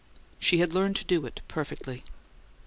She had learned to do it perfectly.